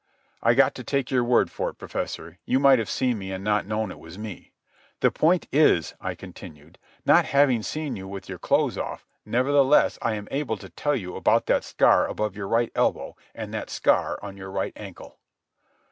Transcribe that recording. "I got to take your word for it, Professor. You might have seen me and not known it was me." "The point is," I continued, "not having seen you with your clothes off, nevertheless I am able to tell you about that scar above your right elbow, and that scar on your right ankle."